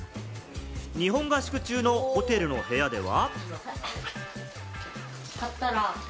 日本合宿中のホテルの部屋では。